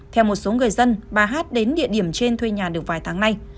theo một số người dân bà hát đến địa điểm trên thuê nhà được vài tháng nay